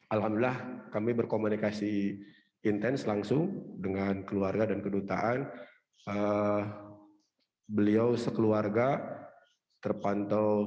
alhamdulillah kami berkomunikasi intens langsung dengan keluarga dan kedutaan